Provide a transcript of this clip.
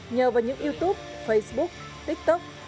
nhờ vào những youtube facebook tiktok